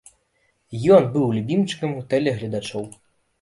Ён быў любімчыкам тэлегледачоў.